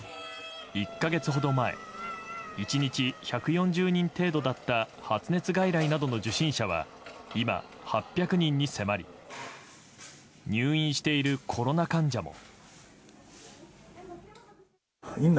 １か月ほど前１日１４０人程度だった発熱外来などの受診者は今、８００人に迫り入院しているコロナ患者も。